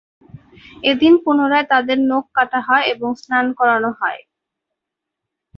এদিন পুনরায় তাদের নখ কাটা হয় এবং স্নান করানো হয়।